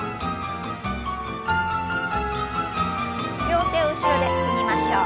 両手を後ろで組みましょう。